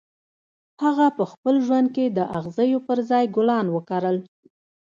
هغه په خپل ژوند کې د اغزیو پر ځای ګلان وکرل